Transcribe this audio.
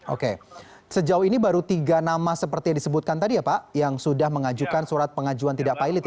oke sejauh ini baru tiga nama seperti yang disebutkan tadi ya pak yang sudah mengajukan surat pengajuan tidak pilot ya